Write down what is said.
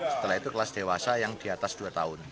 mulai dari kelas dewasa yang di atas dua tahun